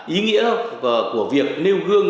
ý nghĩa của việc nêu gương